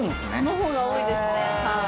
の方が多いですね。